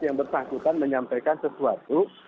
yang bertanggung jawab menyampaikan sesuatu